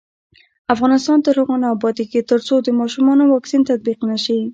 افغانستان تر هغو نه ابادیږي، ترڅو د ماشومانو واکسین تطبیق نشي.